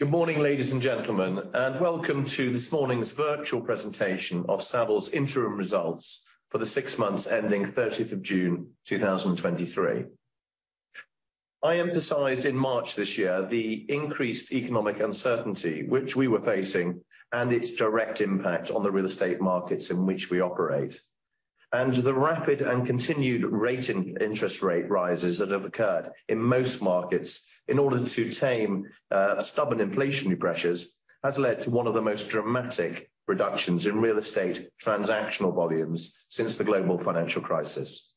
Good morning, ladies and gentlemen, welcome to this morning's virtual presentation of Savills' interim results for the six months ending June 30, 2023. I emphasized in March this year the increased economic uncertainty which we were facing and its direct impact on the real estate markets in which we operate. The rapid and continued interest rate rises that have occurred in most markets in order to tame stubborn inflationary pressures, has led to one of the most dramatic reductions in real estate transactional volumes since the global financial crisis.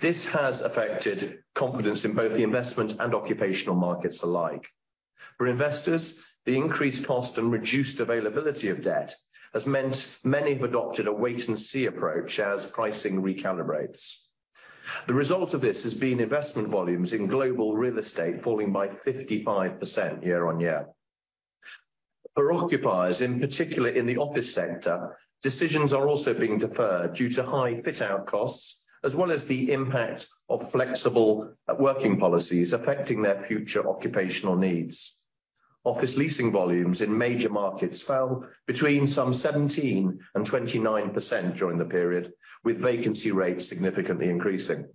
This has affected confidence in both the investment and occupational markets alike. For investors, the increased cost and reduced availability of debt has meant many have adopted a wait and see approach as pricing recalibrates. The result of this has been investment volumes in global real estate falling by 55% year-on-year. For occupiers, in particular in the office center, decisions are also being deferred due to high fit-out costs, as well as the impact of flexible working policies affecting their future occupational needs. Office leasing volumes in major markets fell between some 17% and 29% during the period, with vacancy rates significantly increasing.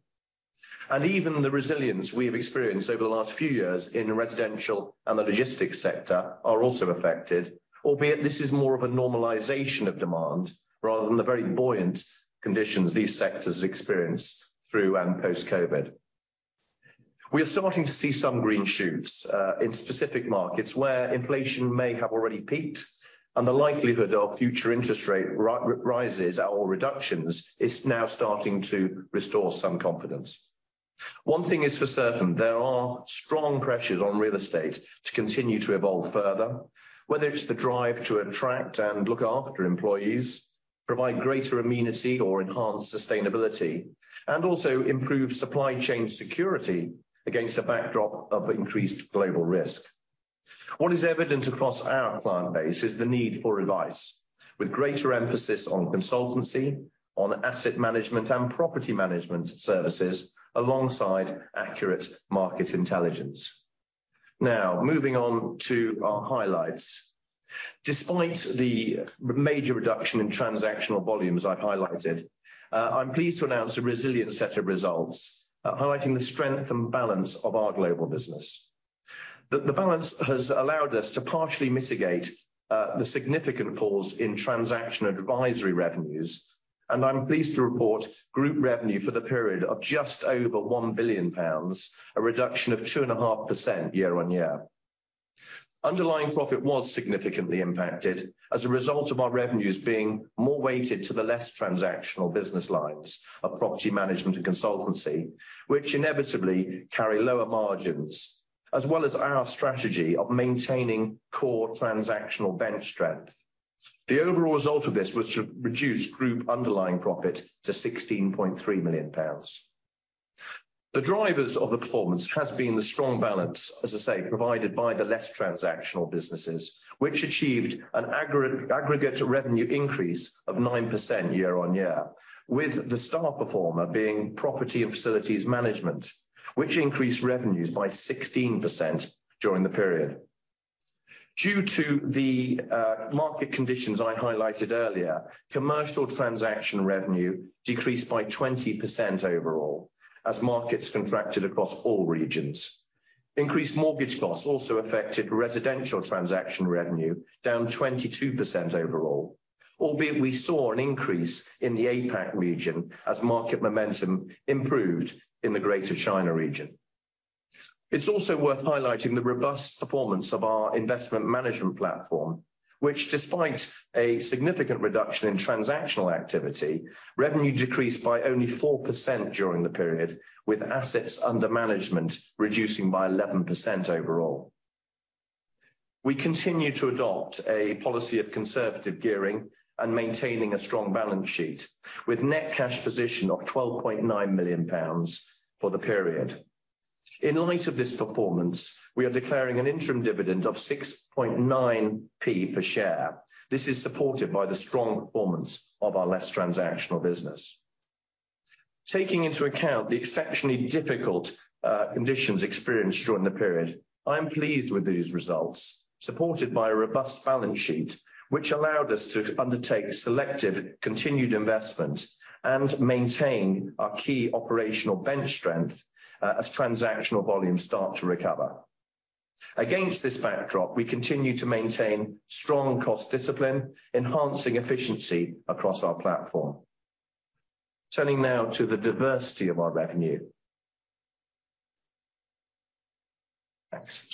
Even the resilience we have experienced over the last few years in the residential and the logistics sector are also affected, albeit this is more of a normalization of demand rather than the very buoyant conditions these sectors experienced through and post-COVID. We are starting to see some green shoots in specific markets where inflation may have already peaked, and the likelihood of future interest rate rises or reductions is now starting to restore some confidence. One thing is for certain, there are strong pressures on real estate to continue to evolve further, whether it's the drive to attract and look after employees, provide greater amenity or enhance sustainability, and also improve supply chain security against a backdrop of increased global risk. What is evident across our client base is the need for advice, with greater emphasis on consultancy, on asset management and property management services, alongside accurate market intelligence. Moving on to our highlights. Despite the major reduction in transactional volumes I've highlighted, I'm pleased to announce a resilient set of results, highlighting the strength and balance of our global business. The, the balance has allowed us to partially mitigate the significant falls in transaction advisory revenues. I'm pleased to report group revenue for the period of just over 1 billion pounds, a reduction of 2.5% year-on-year. Underlying profit was significantly impacted as a result of our revenues being more weighted to the less transactional business lines of property management and consultancy, which inevitably carry lower margins, as well as our strategy of maintaining core transactional bench strength. The overall result of this was to reduce group underlying profit to GBP 16.3 million. The drivers of the performance has been the strong balance, as I say, provided by the less transactional businesses, which achieved an aggregate revenue increase of 9% year-on-year, with the star performer being property and facilities management, which increased revenues by 16% during the period. Due to the market conditions I highlighted earlier, commercial transaction revenue decreased by 20% overall as markets contracted across all regions. Increased mortgage costs also affected residential transaction revenue, down 22% overall, albeit we saw an increase in the APAC region as market momentum improved in the Greater China region. It's also worth highlighting the robust performance of our investment management platform, which, despite a significant reduction in transactional activity, revenue decreased by only 4% during the period, with assets under management reducing by 11% overall. We continue to adopt a policy of conservative gearing and maintaining a strong balance sheet, with net cash position of 12.9 million pounds for the period. In light of this performance, we are declaring an interim dividend of 6.9 p per share. This is supported by the strong performance of our less transactional business. Taking into account the exceptionally difficult conditions experienced during the period, I am pleased with these results, supported by a robust balance sheet, which allowed us to undertake selective, continued investment and maintain our key operational bench strength as transactional volumes start to recover. Against this backdrop, we continue to maintain strong cost discipline, enhancing efficiency across our platform. Turning now to the diversity of our revenue. Thanks.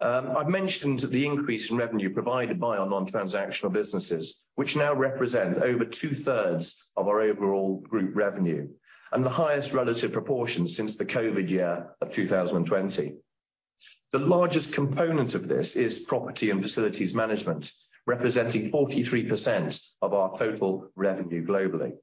I've mentioned the increase in revenue provided by our non-transactional businesses, which now represent over two-thirds of our overall group revenue and the highest relative proportion since the COVID year of 2020. The largest component of this is property and facilities management, representing 43% of our total revenue globally.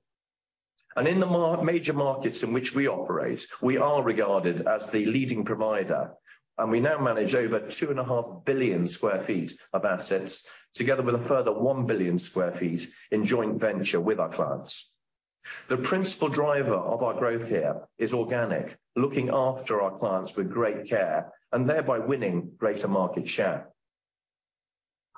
In the major markets in which we operate, we are regarded as the leading provider, and we now manage over 2.5 billion sq ft of assets, together with a further 1 billion sq ft in joint venture with our clients. The principal driver of our growth here is organic, looking after our clients with great care, and thereby winning greater market share.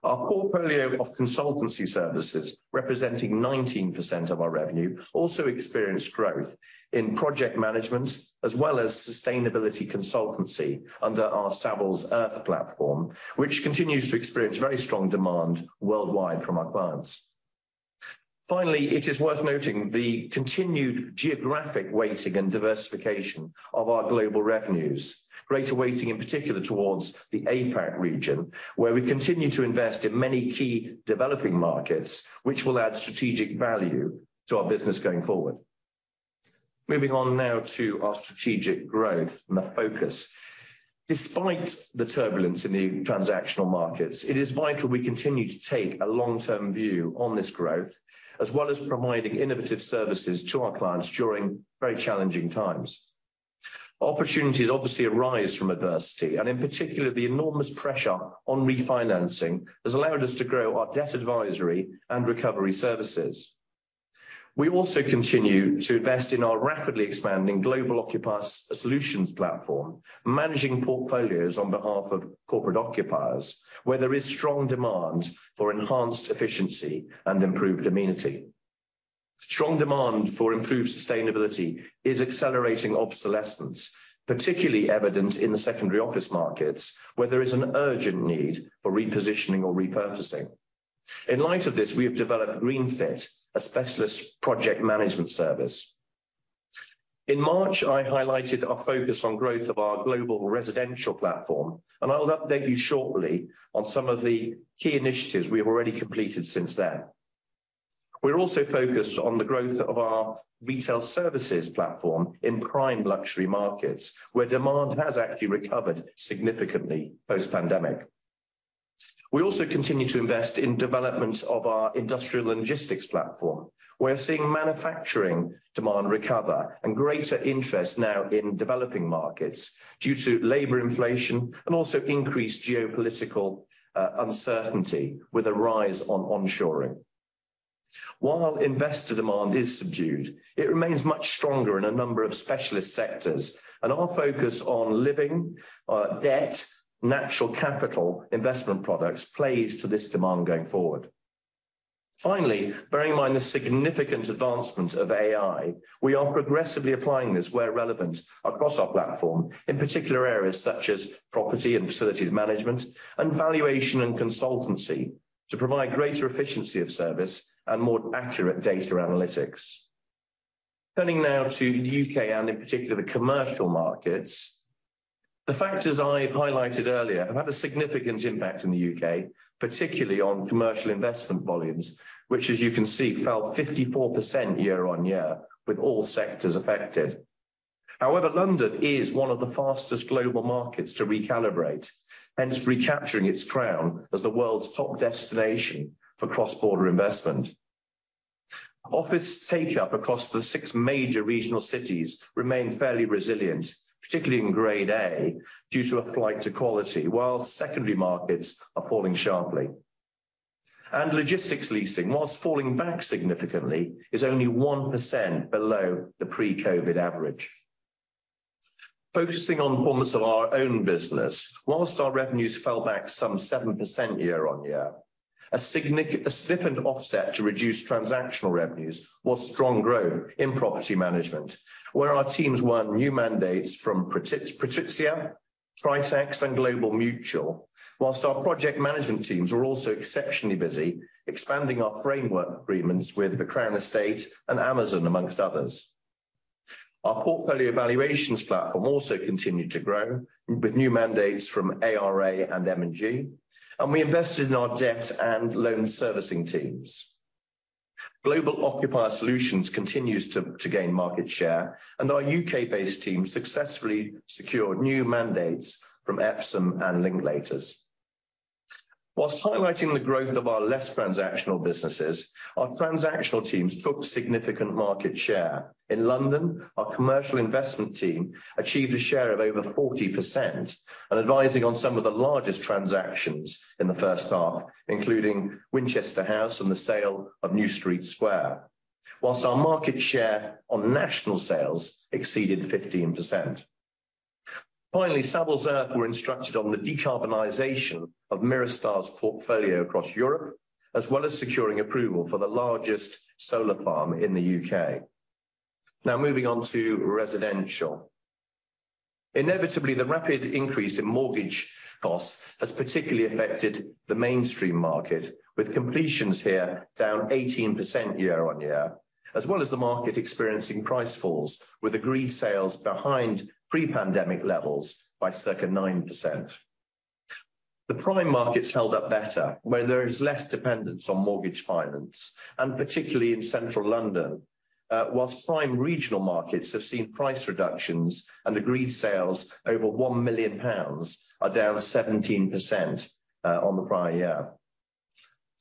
Our portfolio of consultancy services, representing 19% of our revenue, also experienced growth in project management as well as sustainability consultancy under our Savills Earth platform, which continues to experience very strong demand worldwide from our clients. It is worth noting the continued geographic weighting and diversification of our global revenues, greater weighting, in particular, towards the APAC region, where we continue to invest in many key developing markets, which will add strategic value to our business going forward. Moving on now to our strategic growth and the focus. Despite the turbulence in the transactional markets, it is vital we continue to take a long-term view on this growth, as well as providing innovative services to our clients during very challenging times. Opportunities obviously arise from adversity, and in particular, the enormous pressure on refinancing has allowed us to grow our debt advisory and recovery services. We also continue to invest in our rapidly expanding Global Occupier Solutions platform, managing portfolios on behalf of corporate occupiers, where there is strong demand for enhanced efficiency and improved amenity. Strong demand for improved sustainability is accelerating obsolescence, particularly evident in the secondary office markets, where there is an urgent need for repositioning or repurposing. In light of this, we have developed GreenFiT, a specialist project management service. In March, I highlighted our focus on growth of our global residential platform, and I will update you shortly on some of the key initiatives we have already completed since then. We're also focused on the growth of our retail services platform in prime luxury markets, where demand has actually recovered significantly post-pandemic. We also continue to invest in development of our industrial and logistics platform. We're seeing manufacturing demand recover and greater interest now in developing markets due to labor inflation and also increased geopolitical uncertainty with a rise on onshoring. While investor demand is subdued, it remains much stronger in a number of specialist sectors, and our focus on living, debt, natural capital investment products plays to this demand going forward. Finally, bearing in mind the significant advancement of AI, we are progressively applying this where relevant across our platform, in particular, areas such as property and facilities management, and valuation and consultancy to provide greater efficiency of service and more accurate data analytics. Turning now to the U.K., in particular, the commercial markets. The factors I highlighted earlier have had a significant impact in the U.K., particularly on commercial investment volumes, which, as you can see, fell 54% year-over-year, with all sectors affected. London is one of the fastest global markets to recalibrate and is recapturing its crown as the world's top destination for cross-border investment. Office takeup across the six major regional cities remain fairly resilient, particularly in Grade A, due to a flight to quality, while secondary markets are falling sharply. Logistics leasing, whilst falling back significantly, is only 1% below the pre-COVID average. Focusing on performance of our own business, whilst our revenues fell back some 7% year on year, a significant offset to reduce transactional revenues, was strong growth in property management, where our teams won new mandates from PATRIZIA, Tritax, and Global Mutual. Whilst our project management teams were also exceptionally busy expanding our framework agreements with Crown Estate and Amazon, amongst others. Our portfolio evaluations platform also continued to grow with new mandates from ARA and M&G, and we invested in our debt and loan servicing teams. Global Occupier Solutions continues to gain market share, and our U.K.-based team successfully secured new mandates from Epsom and Linklaters. Highlighting the growth of our less transactional businesses, our transactional teams took significant market share. In London, our commercial investment team achieved a share of over 40% and advising on some of the largest transactions in the first half, including Winchester House and the sale of New Street Square. Our market share on national sales exceeded 15%. Finally, Savills Earth were instructed on the decarbonization of Mirastar's portfolio across Europe, as well as securing approval for the largest solar farm in the U.K,. Moving on to residential. Inevitably, the rapid increase in mortgage costs has particularly affected the mainstream market, with completions here down 18% year-on-year, as well as the market experiencing price falls, with agreed sales behind pre-pandemic levels by circa 9%. The prime markets held up better, where there is less dependence on mortgage finance, and particularly in central London. Whilst prime regional markets have seen price reductions and agreed sales over 1 million pounds are down 17% on the prior year.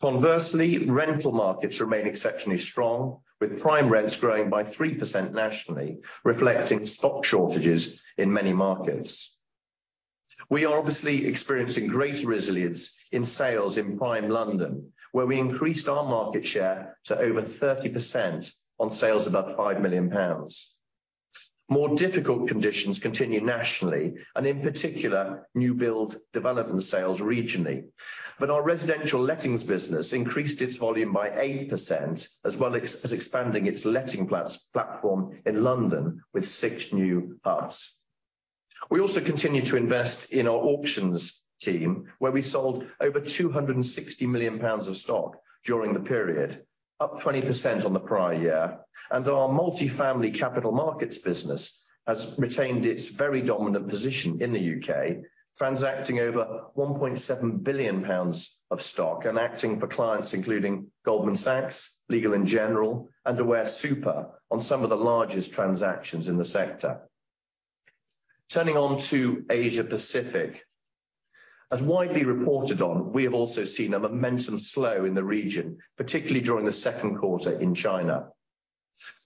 Conversely, rental markets remain exceptionally strong, with prime rents growing by 3% nationally, reflecting stock shortages in many markets. We are obviously experiencing great resilience in sales in prime London, where we increased our market share to over 30% on sales above 5 million pounds. More difficult conditions continue nationally, in particular, new build development sales regionally. Our residential lettings business increased its volume by 8%, as well as expanding its letting platform in London with six new hubs. We also continue to invest in our auctions team, where we sold over 260 million pounds of stock during the period, up 20% on the prior year, and our multifamily capital markets business has retained its very dominant position in the U.K., transacting over 1.7 billion pounds of stock and acting for clients, including Goldman Sachs, Legal & General, and Aware Super, on some of the largest transactions in the sector. Turning on to Asia Pacific. As widely reported on, we have also seen a momentum slow in the region, particularly during the second quarter in China.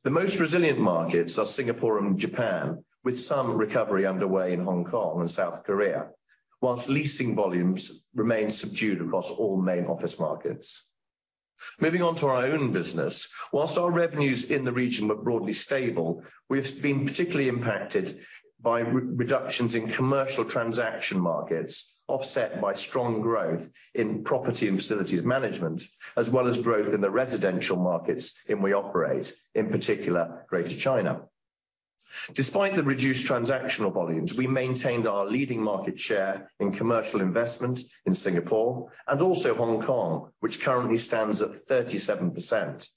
The most resilient markets are Singapore and Japan, with some recovery underway in Hong Kong and South Korea, whilst leasing volumes remain subdued across all main office markets. Moving on to our own business. Whilst our revenues in the region were broadly stable, we've been particularly impacted by reductions in commercial transaction markets, offset by strong growth in property and facilities management, as well as growth in the residential markets, in we operate, in particular, Greater China. Despite the reduced transactional volumes, we maintained our leading market share in commercial investment in Singapore and also Hong Kong, which currently stands at 37%.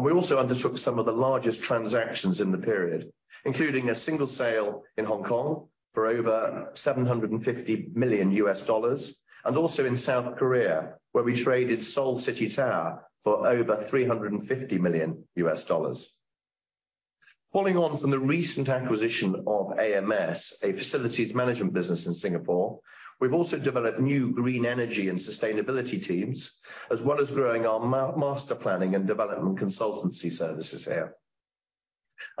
We also undertook some of the largest transactions in the period, including a single sale in Hong Kong for over $750 million, and also in South Korea, where we traded Seoul City Tower for over $350 million. Following on from the recent acquisition of AMS, a facilities management business in Singapore, we've also developed new green energy and sustainability teams, as well as growing our master planning and development consultancy services here.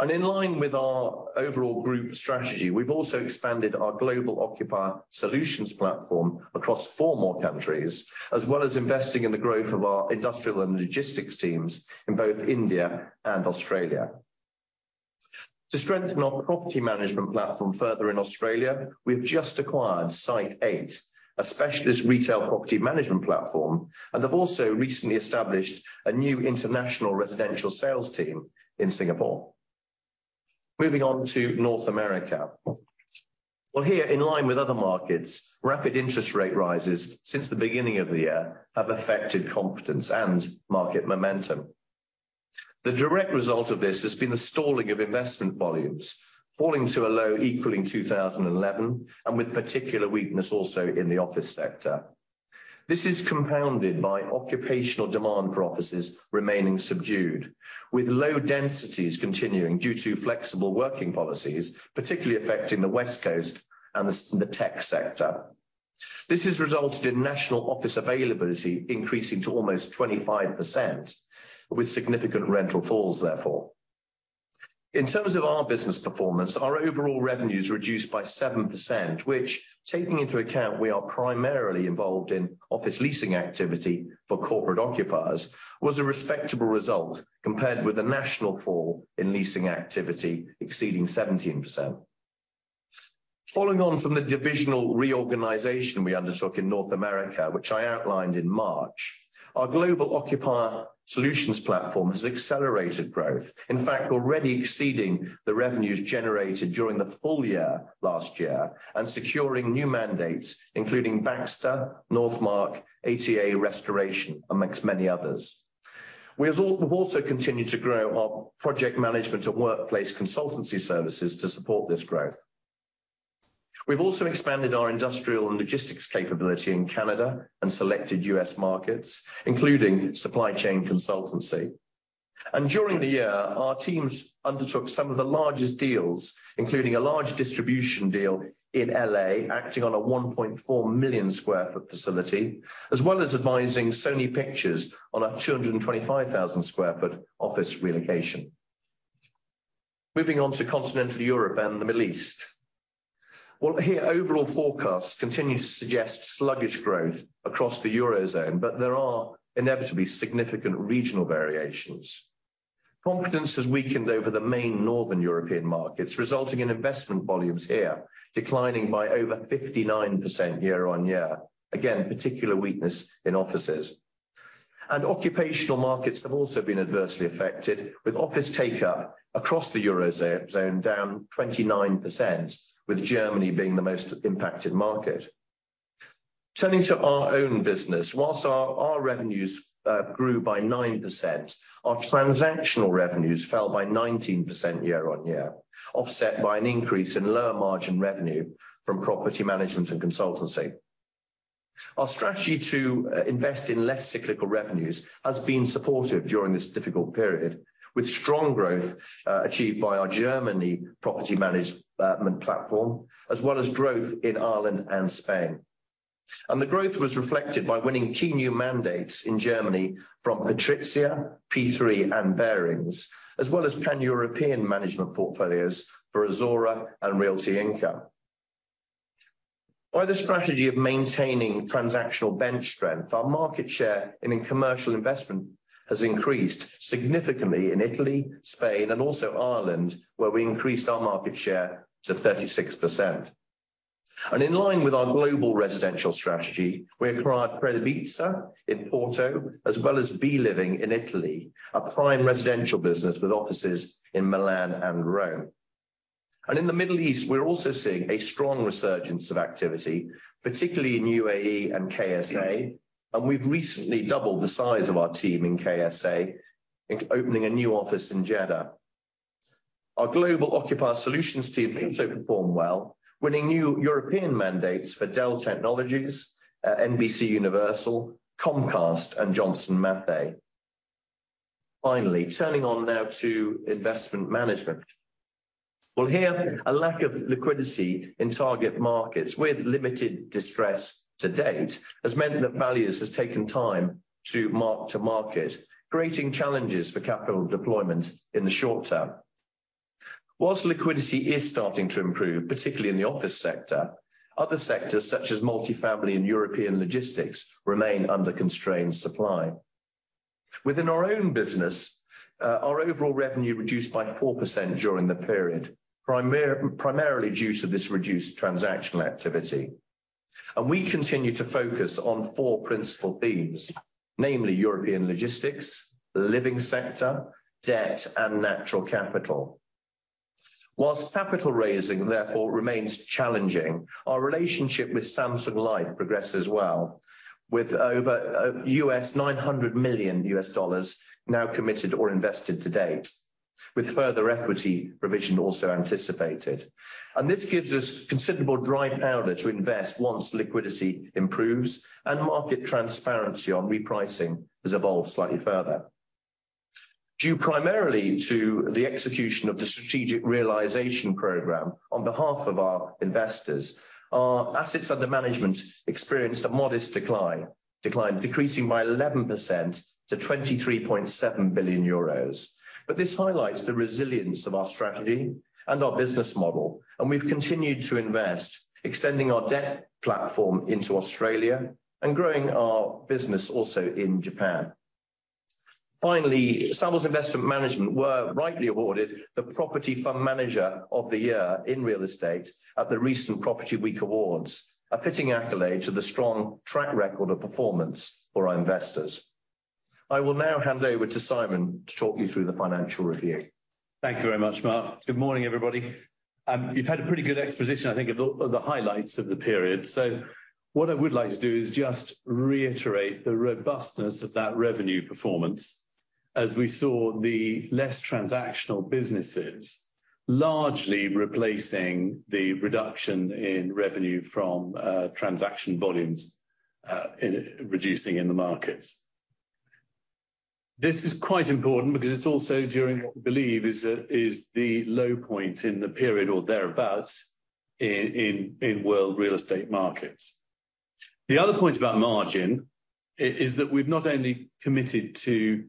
In line with our overall group strategy, we've also expanded our Global Occupier Solutions platform across four more countries, as well as investing in the growth of our industrial and logistics teams in both India and Australia. To strengthen our property management platform further in Australia, we've just acquired Site8, a specialist retail property management platform, and have also recently established a new international residential sales team in Singapore. Moving on to North America. Here, in line with other markets, rapid interest rate rises since the beginning of the year have affected confidence and market momentum. The direct result of this has been the stalling of investment volumes, falling to a low equaling 2011, with particular weakness also in the office sector. This is compounded by occupational demand for offices remaining subdued, with low densities continuing due to flexible working policies, particularly affecting the West Coast and the tech sector. This has resulted in national office availability increasing to almost 25%, with significant rental falls, therefore. In terms of our business performance, our overall revenues reduced by 7%, which, taking into account we are primarily involved in office leasing activity for corporate occupiers, was a respectable result compared with the national fall in leasing activity exceeding 17%. Following on from the divisional reorganization we undertook in North America, which I outlined in March, our Global Occupier Solutions platform has accelerated growth. In fact, already exceeding the revenues generated during the full year last year, and securing new mandates, including Baxter, Northmarq, ATA Restoration, among many others. We've also continued to grow our project management and workplace consultancy services to support this growth. We've also expanded our industrial and logistics capability in Canada and selected U.S. markets, including supply chain consultancy. During the year, our teams undertook some of the largest deals, including a large distribution deal in L.A., acting on a 1.4 million sq ft facility, as well as advising Sony Pictures on a 225,000 sq ft office relocation. Moving on to continental Europe and the Middle East. Well, here, overall forecasts continue to suggest sluggish growth across the Eurozone, there are inevitably significant regional variations. Confidence has weakened over the main Northern European markets, resulting in investment volumes here declining by over 59% year-over-year. Particular weakness in offices. Occupational markets have also been adversely affected, with office takeup across the Eurozone down 29%, with Germany being the most impacted market. Turning to our own business, whilst our revenues grew by 9%, our transactional revenues fell by 19% year-over-year, offset by an increase in lower margin revenue from property management and consultancy. Our strategy to invest in less cyclical revenues has been supportive during this difficult period, with strong growth achieved by our Germany property management platform, as well as growth in Ireland and Spain. The growth was reflected by winning key new mandates in Germany from PATRIZIA, P3, and Barings, as well as pan-European management portfolios for Azora and Realty Income. By the strategy of maintaining transactional bench strength, our market share in commercial investment has increased significantly in Italy, Spain, and also Ireland, where we increased our market share to 36%. In line with our global residential strategy, we acquired Predibisa in Porto, as well as Viving in Italy, a prime residential business with offices in Milan and Rome. In the Middle East, we're also seeing a strong resurgence of activity, particularly in UAE and KSA, and we've recently doubled the size of our team in KSA in opening a new office in Jeddah. Our Global Occupier Solutions team also performed well, winning new European mandates for Dell Technologies, NBCUniversal, Comcast, and Johnson Matthey. Turning on now to Investment Management. Well, here, a lack of liquidity in target markets with limited distress to date, has meant that values has taken time to mark to market, creating challenges for capital deployment in the short term. Whilst liquidity is starting to improve, particularly in the office sector, other sectors such as multifamily and European logistics, remain under constrained supply. Within our own business, our overall revenue reduced by 4% during the period, primarily due to this reduced transactional activity. We continue to focus on four principal themes, namely European logistics, living sector, debt, and natural capital. Whilst capital raising, therefore, remains challenging, our relationship with Samsung Life progresses well, with over $900 million now committed or invested to date, with further equity provision also anticipated. This gives us considerable dry powder to invest once liquidity improves and market transparency on repricing has evolved slightly further. Due primarily to the execution of the strategic realization program on behalf of our investors, our assets under management experienced a modest decline, decreasing by 11% to 23.7 billion euros. This highlights the resilience of our strategy and our business model, and we've continued to invest, extending our debt platform into Australia and growing our business also in Japan. Finally, Savills Investment Management were rightly awarded the Property Fund Manager of the Year in Real Estate at the recent Property Week Awards, a fitting accolade to the strong track record of performance for our investors. I will now hand over to Simon to talk you through the financial review. Thank you very much, Mark. Good morning, everybody. You've had a pretty good exposition, I think, of the highlights of the period. What I would like to do is just reiterate the robustness of that revenue performance as we saw the less transactional businesses largely replacing the reduction in revenue from transaction volumes in reducing in the markets. This is quite important because it's also during what we believe is the low point in the period or thereabout, in, in, in world real estate markets. The other point about margin is, is that we've not only committed to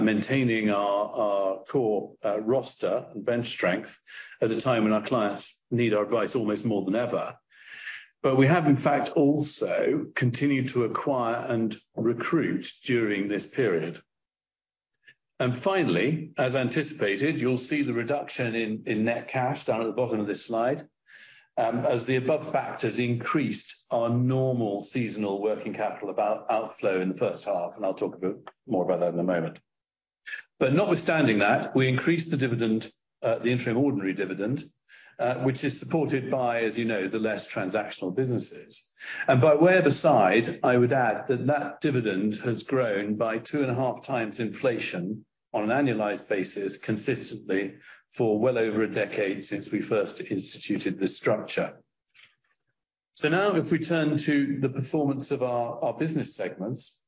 maintaining our core roster and bench strength at a time when our clients need our advice almost more than ever, but we have, in fact, also continued to acquire and recruit during this period. Finally, as anticipated, you'll see the reduction in, in net cash down at the bottom of this slide, as the above factors increased our normal seasonal working capital about outflow in the first half. I'll talk a bit more about that in a moment. Notwithstanding that, we increased the dividend, the interim ordinary dividend, which is supported by, as you know, the less transactional businesses. By way of aside, I would add that that dividend has grown by 2.5 times inflation on an annualized basis, consistently for well over a decade since we first instituted this structure. Now, if we turn to the performance of our, our business segments,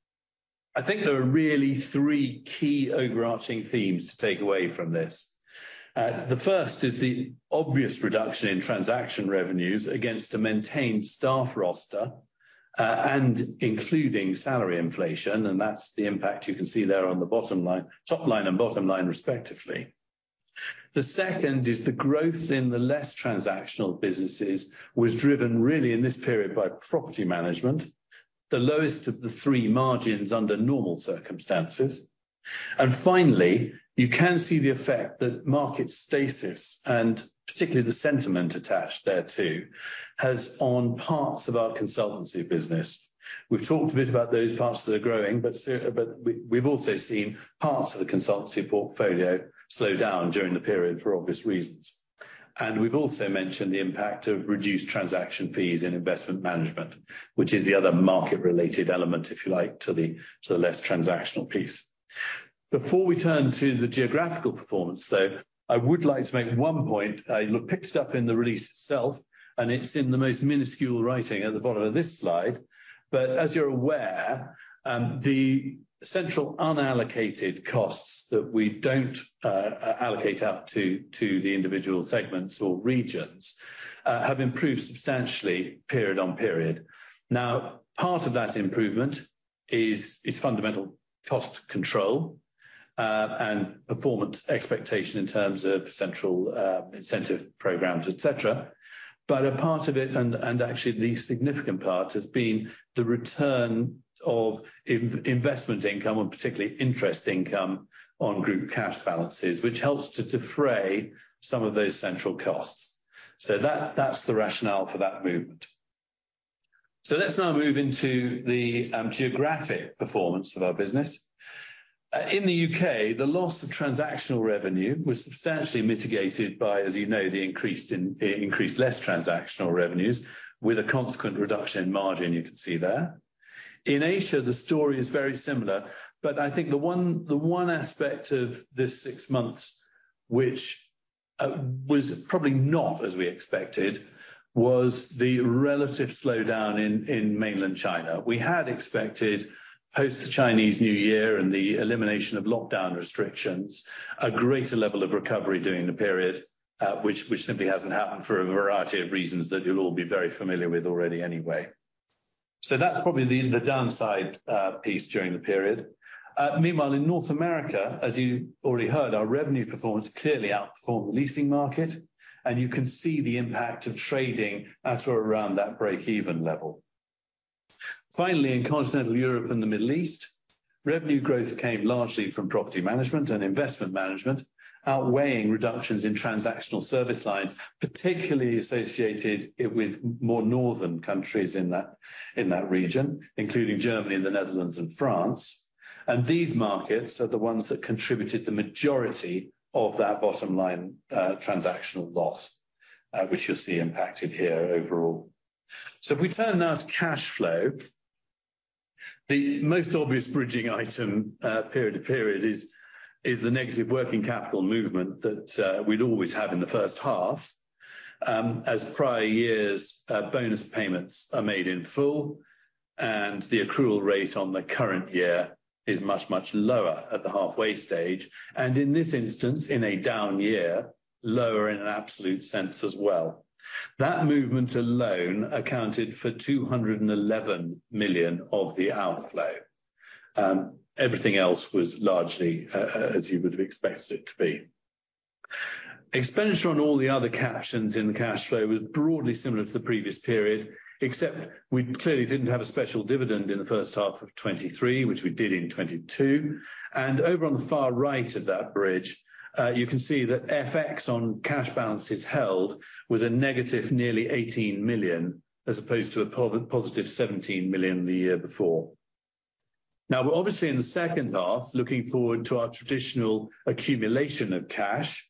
I think there are really three key overarching themes to take away from this. The first is the obvious reduction in transaction revenues against a maintained staff roster, and including salary inflation, and that's the impact you can see there on the bottom line, top line and bottom line, respectively. The second is the growth in the less transactional businesses was driven really in this period by property management, the lowest of the three margins under normal circumstances. Finally, you can see the effect that market stasis, and particularly the sentiment attached thereto, has on parts of our consultancy business. We've talked a bit about those parts that are growing, but we've also seen parts of the consultancy portfolio slow down during the period for obvious reasons. We've also mentioned the impact of reduced transaction fees in investment management, which is the other market-related element, if you like, to the, to the less transactional piece. Before we turn to the geographical performance, though, I would like to make one point, picked up in the release itself, and it's in the most minuscule writing at the bottom of this slide. As you're aware, the central unallocated costs that we don't allocate out to, to the individual segments or regions, have improved substantially period on period. Now, part of that improvement is, is fundamental cost control, and performance expectation in terms of central incentive programs, et cetera. A part of it, and, and actually the significant part, has been the return of investment income, and particularly interest income, on group cash balances, which helps to defray some of those central costs. That, that's the rationale for that movement. Let's now move into the geographic performance of our business. In the U.K., the loss of transactional revenue was substantially mitigated by, as you know, the increased less transactional revenues, with a consequent reduction in margin you can see there. In Asia, the story is very similar, I think the one, the one aspect of this six months, which was probably not as we expected, was the relative slowdown in, in mainland China. We had expected, post-Chinese New Year and the elimination of lockdown restrictions, a greater level of recovery during the period, which, which simply hasn't happened for a variety of reasons that you'll all be very familiar with already anyway. That's probably the, the downside piece during the period. Meanwhile, in North America, as you already heard, our revenue performance clearly outperformed the leasing market, and you can see the impact of trading at or around that breakeven level. Finally, in continental Europe and the Middle East, revenue growth came largely from property management and investment management, outweighing reductions in transactional service lines, particularly associated with more northern countries in that, in that region, including Germany and the Netherlands and France. These markets are the ones that contributed the majority of that bottom line transactional loss, which you'll see impacted here overall. If we turn now to cash flow, the most obvious bridging item period to period is, is the negative working capital movement that we'd always have in the first half, as prior years' bonus payments are made in full, and the accrual rate on the current year is much, much lower at the halfway stage, and in this instance, in a down year, lower in an absolute sense as well. That movement alone accounted for 211 million of the outflow. Everything else was largely as you would have expected it to be. Expenditure on all the other captions in the cash flow was broadly similar to the previous period, except we clearly didn't have a special dividend in the first half of 2023, which we did in 2022. Over on the far right of that bridge, you can see that FX on cash balances held was a negative, nearly 18 million, as opposed to a positive 17 million the year before. We're obviously in the second half, looking forward to our traditional accumulation of cash,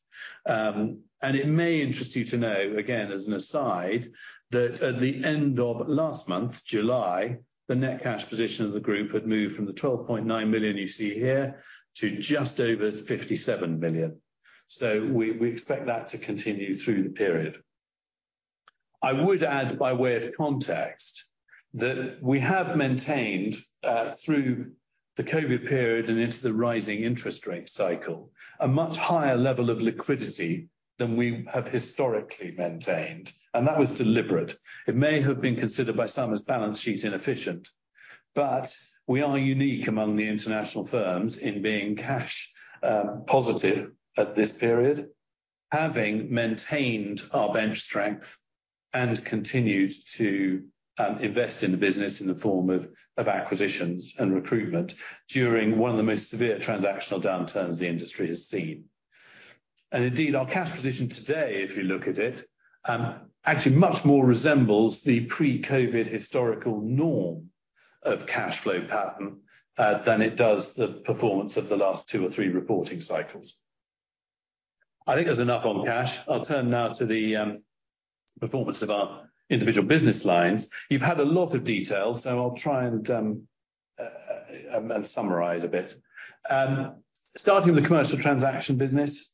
and it may interest you to know, again, as an aside, that at the end of last month, July, the net cash position of the group had moved from 12.9 million you see here to just over 57 million. We expect that to continue through the period. I would add, by way of context, that we have maintained through the COVID period and into the rising interest rate cycle, a much higher level of liquidity than we have historically maintained, and that was deliberate. It may have been considered by some as balance sheet inefficient, but we are unique among the international firms in being cash positive at this period, having maintained our bench strength and continued to invest in the business in the form of acquisitions and recruitment during one of the most severe transactional downturns the industry has seen. Indeed, our cash position today, if you look at it, actually much more resembles the pre-COVID historical norm of cash flow pattern than it does the performance of the last two or three reporting cycles. I think that's enough on cash. I'll turn now to the performance of our individual business lines. You've had a lot of detail, so I'll try and summarize a bit. Starting with the commercial transaction business,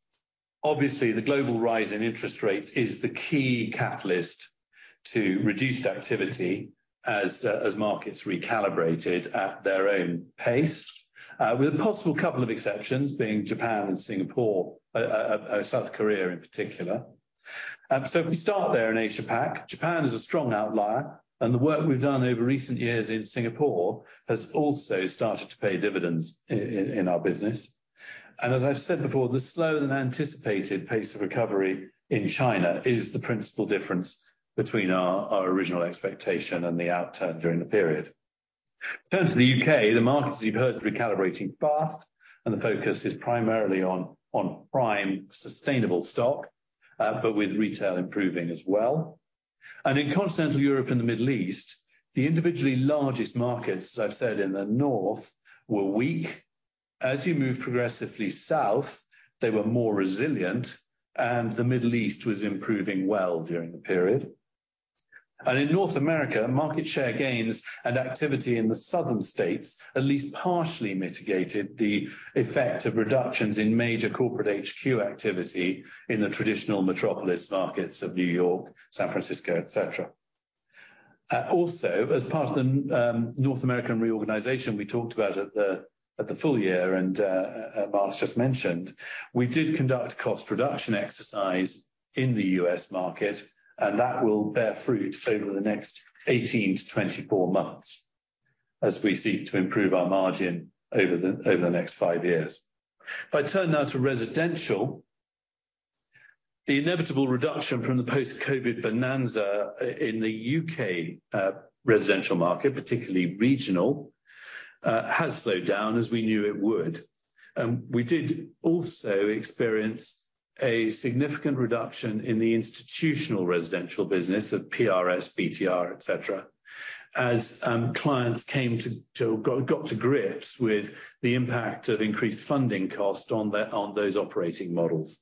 obviously, the global rise in interest rates is the key catalyst to reduced activity as markets recalibrated at their own pace, with a possible couple of exceptions, being Japan and Singapore, South Korea in particular. If we start there in APAC, Japan is a strong outlier, and the work we've done over recent years in Singapore has also started to pay dividends in our business. As I've said before, the slower-than-anticipated pace of recovery in China is the principal difference between our, our original expectation and the outturn during the period. Turning to the UK, the markets, as you've heard, recalibrating fast, and the focus is primarily on prime sustainable stock, but with retail improving as well. In continental Europe and the Middle East, the individually largest markets, as I've said in the north, were weak. As you move progressively south, they were more resilient, and the Middle East was improving well during the period. In North America, market share gains and activity in the southern states at least partially mitigated the effect of reductions in major corporate HQ activity in the traditional metropolis markets of New York, San Francisco, et cetera. Also, as part of the North American reorganization we talked about at the full year, and Miles just mentioned, we did conduct a cost reduction exercise in the US market, and that will bear fruit over the next 18-24 months as we seek to improve our margin over the next 5 years. If I turn now to residential, the inevitable reduction from the post-COVID bonanza in the U.K. residential market, particularly regional, has slowed down as we knew it would. We did also experience a significant reduction in the institutional residential business of PRS, BTR, et cetera, as clients came to got to grips with the impact of increased funding costs on their, on those operating models.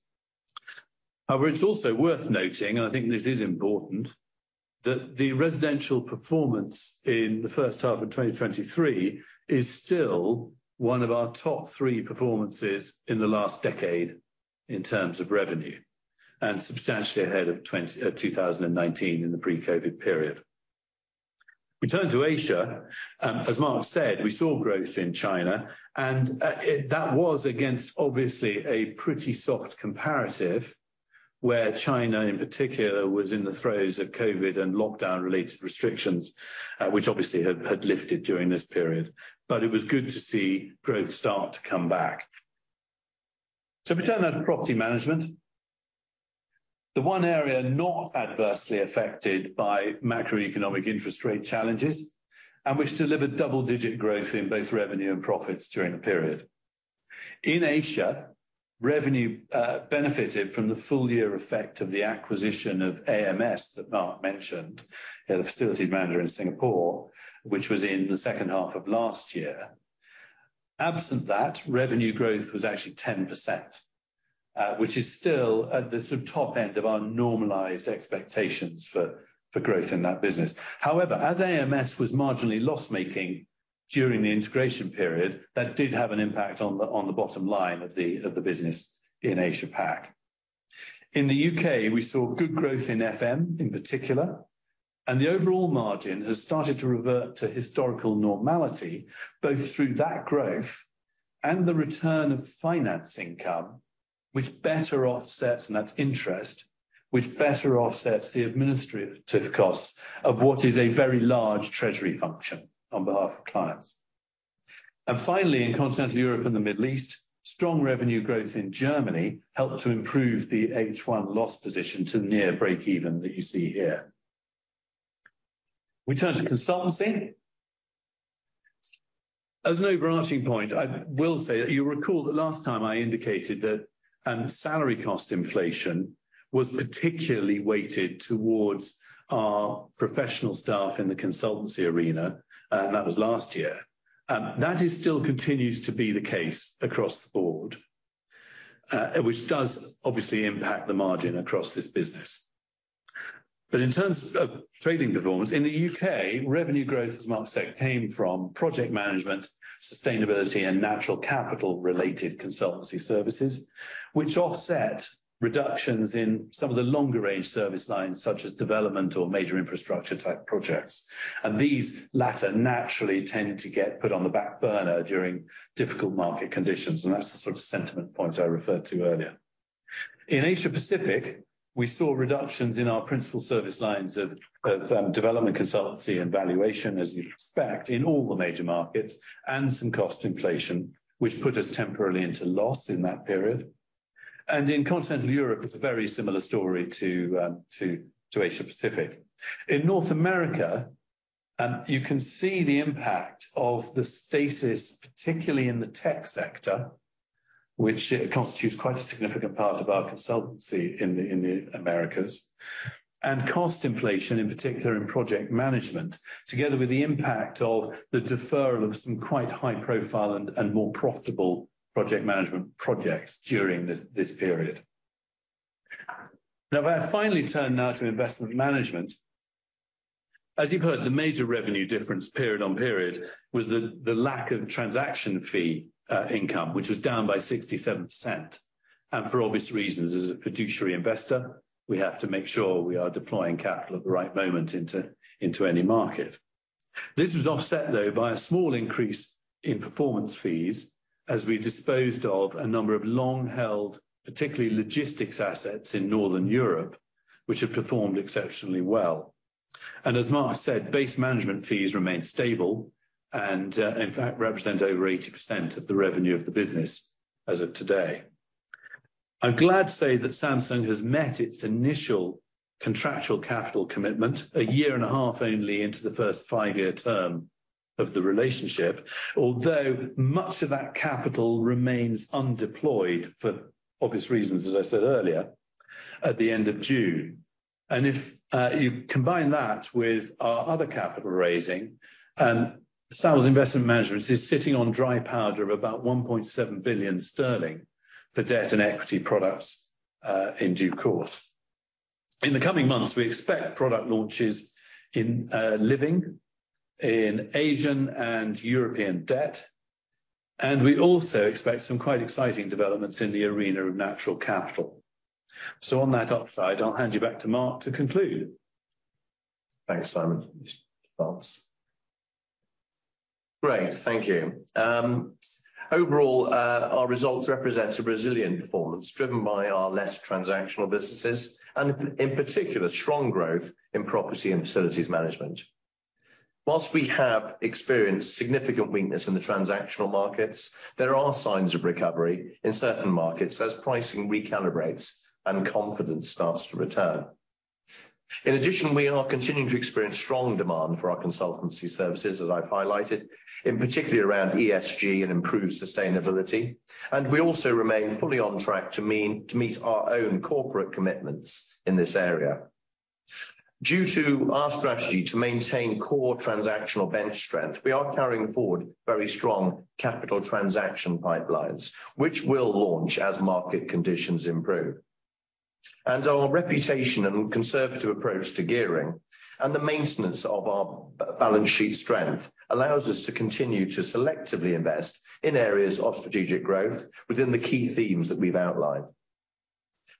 However, it's also worth noting, and I think this is important, that the residential performance in the first half of 2023 is still one of our top three performances in the last decade in terms of revenue, and substantially ahead of 2019 in the pre-COVID period. We turn to Asia, as Mark said, we saw growth in China, and that was against obviously a pretty soft comparative, where China, in particular, was in the throes of COVID and lockdown-related restrictions, which obviously had lifted during this period. It was good to see growth start to come back. We turn now to property management. The one area not adversely affected by macroeconomic interest rate challenges, and which delivered double-digit growth in both revenue and profits during the period. In Asia, revenue benefited from the full year effect of the acquisition of AMS that Mark mentioned, a facilities manager in Singapore, which was in the second half of last year. Absent that, revenue growth was actually 10%, which is still at the sort of top end of our normalized expectations for growth in that business. However, as AMS was marginally loss-making during the integration period, that did have an impact on the, on the bottom line of the, of the business in APAC. In the U.K., we saw good growth in FM in particular, and the overall margin has started to revert to historical normality, both through that growth and the return of finance income, which better offsets, and that's interest, which better offsets the administrative costs of what is a very large treasury function on behalf of clients. Finally, in continental Europe and the Middle East, strong revenue growth in Germany helped to improve the H1 loss position to near break even that you see here. We turn to consultancy. As an overarching point, I will say that you recall that last time I indicated that salary cost inflation was particularly weighted towards our professional staff in the consultancy arena, and that was last year. That is still continues to be the case across the board, which does obviously impact the margin across this business. In terms of trading performance, in the U.K., revenue growth, as Mark said, came from project management, sustainability, and natural capital-related consultancy services, which offset reductions in some of the longer-range service lines, such as development or major infrastructure type projects. These latter naturally tend to get put on the back burner during difficult market conditions, and that's the sort of sentiment point I referred to earlier. In Asia Pacific, we saw reductions in our principal service lines of development, consultancy, and valuation, as you'd expect, in all the major markets, and some cost inflation, which put us temporarily into loss in that period. In continental Europe, it's a very similar story to Asia Pacific. In North America, you can see the impact of the stasis, particularly in the tech sector, which constitutes quite a significant part of our consultancy in the Americas, and cost inflation, in particular in project management, together with the impact of the deferral of some quite high profile and more profitable project management projects during this period. If I finally turn now to investment management. As you've heard, the major revenue difference period on period was the lack of transaction fee income, which was down by 67%. For obvious reasons, as a fiduciary investor, we have to make sure we are deploying capital at the right moment into any market. This was offset, though, by a small increase in performance fees as we disposed of a number of long-held, particularly logistics assets in Northern Europe, which have performed exceptionally well. As Mark said, base management fees remain stable and, in fact, represent over 80% of the revenue of the business as of today. I'm glad to say that Samsung has met its initial contractual capital commitment a year and a half only into the first five-year term of the relationship, although much of that capital remains undeployed for obvious reasons, as I said earlier, at the end of June. If you combine that with our other capital raising, Savills Investment Management is sitting on dry powder of about 1.7 billion sterling for debt and equity products in due course. In the coming months, we expect product launches in living, in Asian and European debt, and we also expect some quite exciting developments in the arena of natural capital. On that upside, I'll hand you back to Mark to conclude. Thanks, Simon. Thanks. Great. Thank you. Overall, our results represent a resilient performance, driven by our less transactional businesses, and in particular, strong growth in property and facilities management. Whilst we have experienced significant weakness in the transactional markets, there are signs of recovery in certain markets as pricing recalibrates and confidence starts to return. In addition, we are continuing to experience strong demand for our consultancy services that I've highlighted, in particular around ESG and improved sustainability, and we also remain fully on track to meet our own corporate commitments in this area. Due to our strategy to maintain core transactional bench strength, we are carrying forward very strong capital transaction pipelines, which will launch as market conditions improve. Our reputation and conservative approach to gearing and the maintenance of our balance sheet strength allows us to continue to selectively invest in areas of strategic growth within the key themes that we've outlined.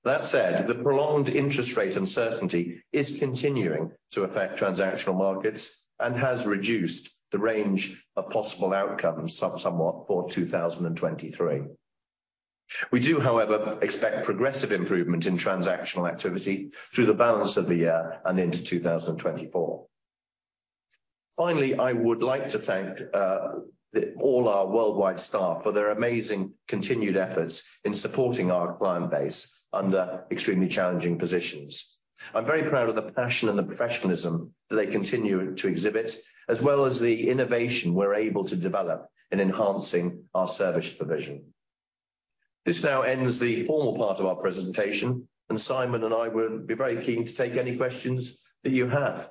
That said, the prolonged interest rate uncertainty is continuing to affect transactional markets and has reduced the range of possible outcomes somewhat for 2023. We do, however, expect progressive improvement in transactional activity through the balance of the year and into 2024. Finally, I would like to thank all our worldwide staff for their amazing continued efforts in supporting our client base under extremely challenging positions. I'm very proud of the passion and the professionalism they continue to exhibit, as well as the innovation we're able to develop in enhancing our service provision. This now ends the formal part of our presentation. Simon and I will be very keen to take any questions that you have.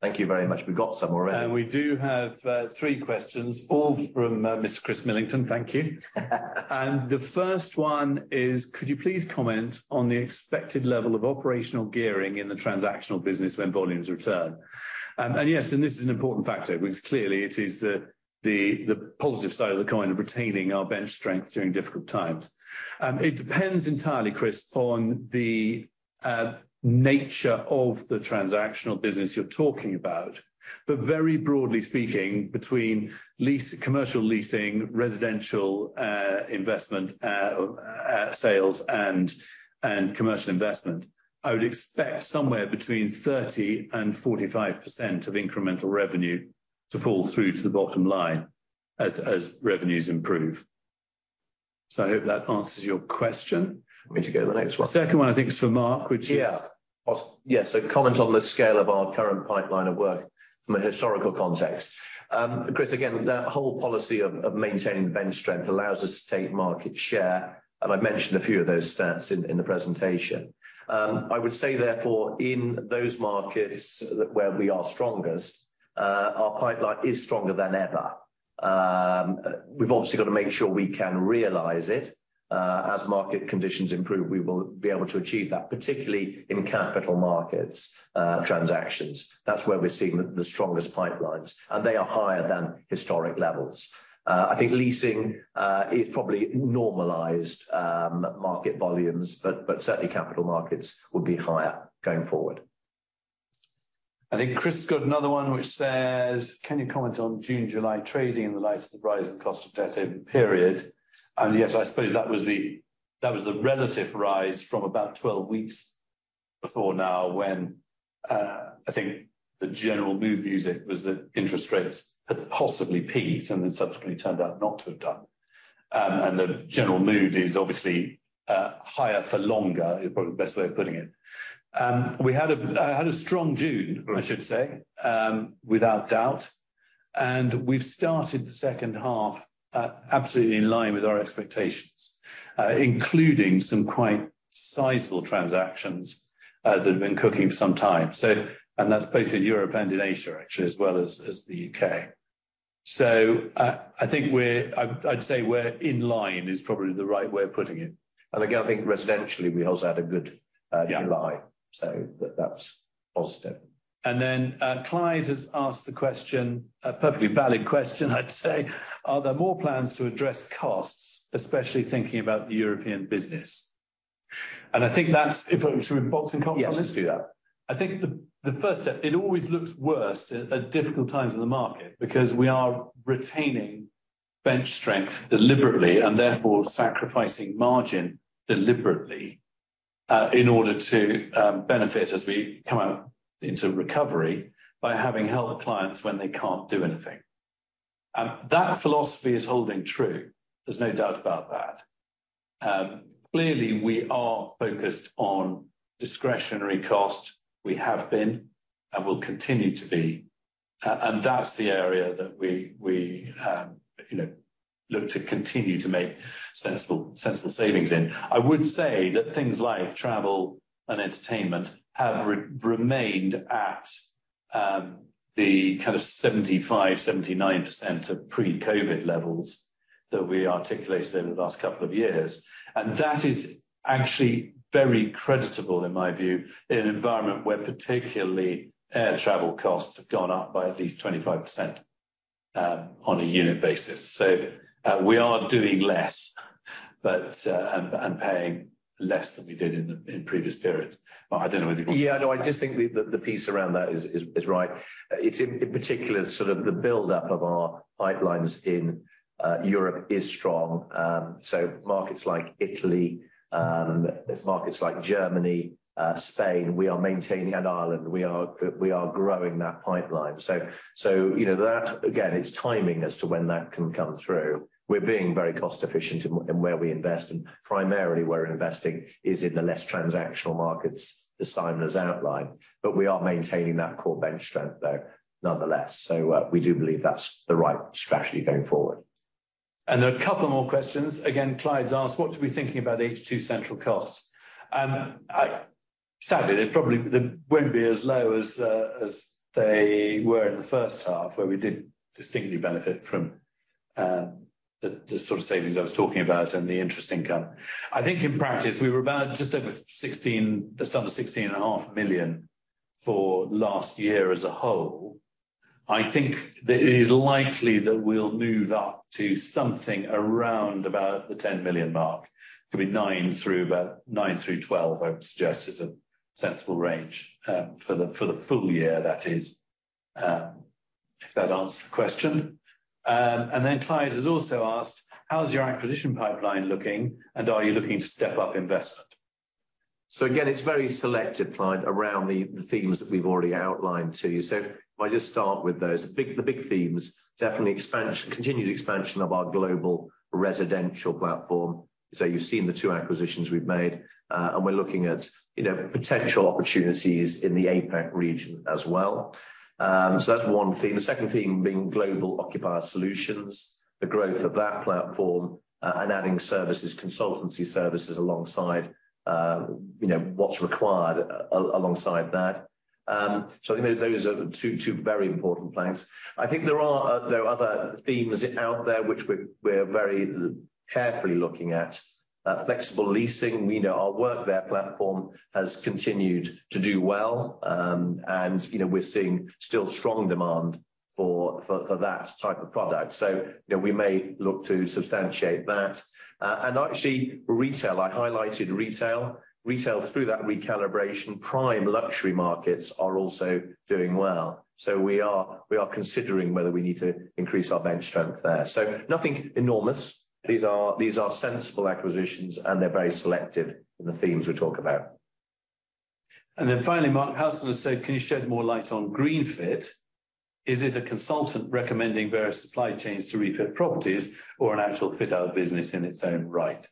Thank you very much. We've got some already. We do have three questions, all from Mr. Chris Millington. Thank you. The first one is: Could you please comment on the expected level of operational gearing in the transactional business when volumes return? Yes, and this is an important factor, because clearly it is the, the, the positive side of the coin of retaining our bench strength during difficult times. It depends entirely, Chris, on the nature of the transactional business you're talking about. Very broadly speaking, between lease-- commercial leasing, residential, investment, sales, and commercial investment, I would expect somewhere between 30% and 45% of incremental revenue to fall through to the bottom line as revenues improve. I hope that answers your question. Ready to go to the next one. Second one, I think, is for Mark, which is. Yeah. Aw, yes, a comment on the scale of our current pipeline of work from a historical context. Chris, again, that whole policy of maintaining the bench strength allows us to take market share, and I mentioned a few of those stats in the presentation. I would say, therefore, in those markets where we are strongest, our pipeline is stronger than ever. We've obviously got to make sure we can realize it. As market conditions improve, we will be able to achieve that, particularly in capital markets transactions. That's where we're seeing the strongest pipelines, and they are higher than historic levels. I think leasing is probably normalized market volumes, but certainly capital markets will be higher going forward. I think Chris has got another one which says: Can you comment on June, July trading in the light of the rise in cost of debt over the period? Yes, I suppose that was the, that was the relative rise from about 12 weeks before now, when, I think the general mood music was that interest rates had possibly peaked and then subsequently turned out not to have done. The general mood is obviously, higher for longer, is probably the best way of putting it. We had a, had a strong June- Right I should say, without doubt. We've started the second half, absolutely in line with our expectations, including some quite sizable transactions that have been cooking for some time. That's both in Europe and in Asia, actually, as well as the U.K. I think we're, I, I'd say we're in line, is probably the right way of putting it. Again, I think residentially, we also had a good. Yeah July. That's positive. Clyde has asked the question, a perfectly valid question, I'd say: Are there more plans to address costs, especially thinking about the European business? I think that's, should we box in confidence. Yes. let's do that. I think the, the first step, it always looks worse at, at difficult times in the market because we are retaining bench strength deliberately and therefore sacrificing margin deliberately in order to benefit as we come out into recovery by having helped clients when they can't do anything. That philosophy is holding true. There's no doubt about that. Clearly, we are focused on discretionary costs. We have been and will continue to be, and that's the area that we, we, you know, look to continue to make sensible, sensible savings in. I would say that things like travel and entertainment have re-remained at the kind of 75%-79% of pre-COVID levels that we articulated over the last couple of years, and that is actually very creditable in my view, in an environment where particularly air travel costs have gone up by at least 25% on a unit basis. We are doing less. But, and paying less than we did in the, in previous periods. I don't know whether you want. Yeah, no, I just think the, the, the piece around that is, is, is right. It's in, in particular, sort of the buildup of our pipelines in Europe is strong. So markets like Italy, markets like Germany, Spain, we are maintaining, and Ireland, we are growing that pipeline. So you know, that, again, it's timing as to when that can come through. We're being very cost efficient in, in where we invest, and primarily we're investing is in the less transactional markets, as Simon has outlined. We are maintaining that core bench strength there nonetheless. We do believe that's the right strategy going forward. There are a couple more questions. Again, Clyde's asked: 'What should we be thinking about H2 central costs?' Sadly, they probably, they won't be as low as they were in the first half, where we did distinctly benefit from the sort of savings I was talking about and the interest income. I think in practice we were about just over 16 million, just under 16.5 million for last year as a whole. I think that it is likely that we'll move up to something around about the 10 million mark. Could be 9 million-12 million, I would suggest, is a sensible range for the full year, that is. If that answers the question. Then Clyde has also asked: 'How's your acquisition pipeline looking, and are you looking to step up investment?' Again, it's very selective, Clyde, around the themes that we've already outlined to you. If I just start with those. The big themes, definitely expansion, continued expansion of our global residential platform. You've seen the 2 acquisitions we've made. We're looking at, you know, potential opportunities in the APAC region as well. That's 1 theme. The 2nd theme being Global Occupier Solutions, the growth of that platform, and adding services, consultancy services, alongside, you know, what's required alongside that. You know, those are 2 very important planks. I think there are other themes out there, which we're very carefully looking at. Flexible leasing. We know our Workthere platform has continued to do well. You know, we're seeing still strong demand for that type of product. You know, we may look to substantiate that. Actually, retail, I highlighted retail. Retail through that recalibration, prime luxury markets are also doing well. We are, we are considering whether we need to increase our bench strength there. Nothing enormous. These are, these are sensible acquisitions, and they're very selective in the themes we talk about. Finally, Mark O'Donnell has said: 'Can you shed more light on GreenFiT? Is it a consultant recommending various supply chains to refit properties or an actual fit-out business in its own right?'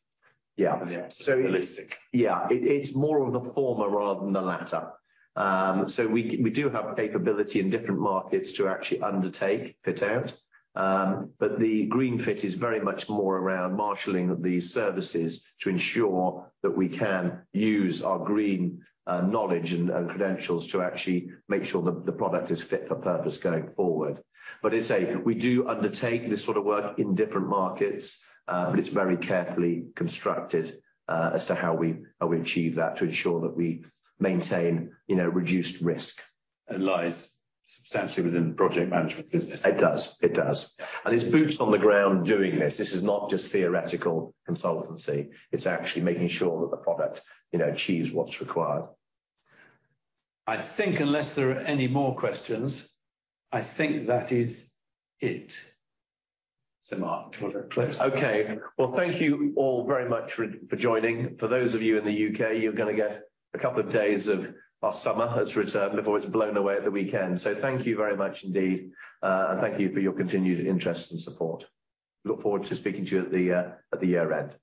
Yeah. Yeah, so realistic. Yeah. It, it's more of the former rather than the latter. We do have capability in different markets to actually undertake fit out, but the GreenFiT is very much more around marshaling the services to ensure that we can use our green knowledge and credentials to actually make sure that the product is fit for purpose going forward. We do undertake this sort of work in different markets, but it's very carefully constructed as to how we, how we achieve that, to ensure that we maintain, you know, reduced risk. It lies substantially within the project management business. It does. It does. It's boots on the ground doing this. This is not just theoretical consultancy. It's actually making sure that the product, you know, achieves what's required. I think unless there are any more questions, I think that is it. Mark, do you want to close? Okay. Well, thank you all very much for, for joining. For those of you in the U.K., you're gonna get a couple of days of our summer that's returned before it's blown away at the weekend. Thank you very much indeed, and thank you for your continued interest and support. Look forward to speaking to you at the, at the year-end.